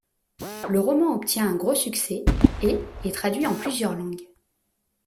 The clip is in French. Le roman obtient un gros succès et est traduit en plusieurs langues.